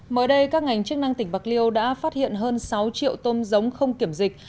mới đây các ngành chức năng tỉnh bạc liêu đã phát hiện hơn sáu triệu tôm giống không kiểm dịch